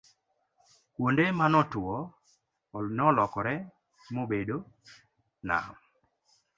kuonde ma otwo nolokore mobedo nam